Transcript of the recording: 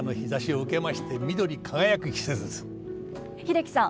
英樹さん